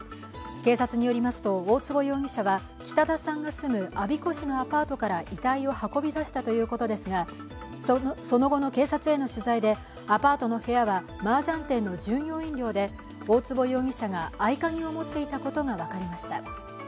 警察によりますと、大坪容疑者は北田さんが住む我孫子市のアパートから遺体を運び出したということですが、その後の警察への取材でアパートの部屋はマージャン店の従業員寮で大坪容疑者が合鍵を持っていたことが分かりました。